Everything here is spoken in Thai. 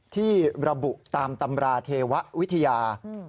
ที่ระบุตามตำราเทววิทยา